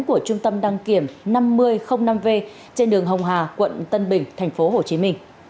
của trung tâm đăng kiểm năm nghìn năm v trên đường hồng hà quận tân bình tp hcm